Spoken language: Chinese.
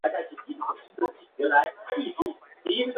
小黑毛肩长蝽为长蝽科毛肩长蝽属下的一个种。